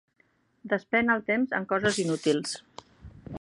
Despèn el temps en coses inútils.